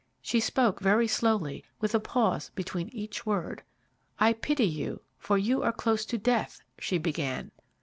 She spoke very slowly, with a pause between each word. "'I pity you, for you are close to death,' she began.